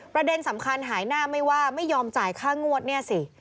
ประเด็นสำคัญหายหน้าไม่ว่าไม่ยอมจ่ายค่างวดเนี่ยสิ